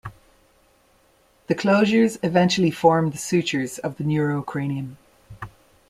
The closures eventually form the sutures of the neurocranium.